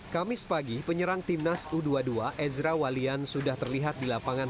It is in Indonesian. kami sepagi penyerang tim nasional u dua puluh dua ezra walian sudah terlihat di lapangan